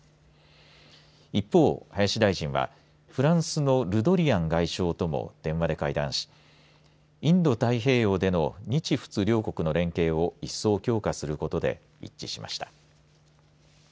一方、林大臣はフランスのルドリアン外相とも電話で会談しインド太平洋での日仏両国の連携を一層強化することで一致しました。